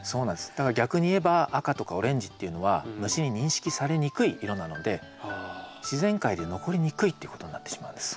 だから逆にいえば赤とかオレンジっていうのは虫に認識されにくい色なので自然界で残りにくいっていうことになってしまうんです。